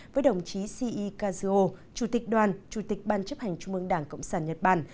với đồng chí ci kazuo chủ tịch đoàn chủ tịch ban chấp hành trung mương đảng cộng sản nhật bản